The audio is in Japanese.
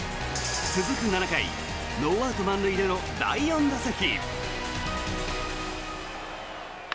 続く７回ノーアウト満塁での第４打席。